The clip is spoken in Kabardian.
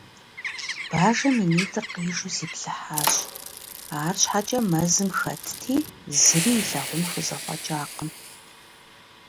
Бажэм и нитӀыр къижу зиплъыхьащ. АрщхьэкӀэ мэзым хэтти, зыри илъагъун хузэфӀэкӀакъым.